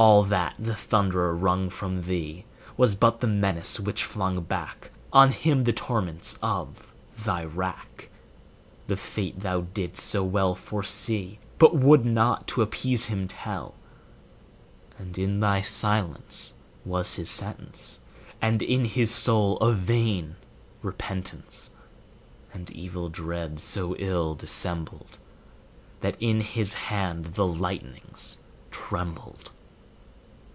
All that the Thunderer wrung from thee Was but the menace which flung back On him the torments of thy rack; The fate thou didst so well foresee, But would not to appease him tell;30 And in thy Silence was his Sentence, And in his Soul a vain repentance, And evil dread so ill dissembled, That in his hand the lightnings trembled.